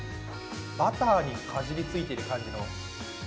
バターにかじりついてる感じの。